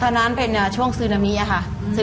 ตอนนั้นเป็นช่วงซูนามีค่ะ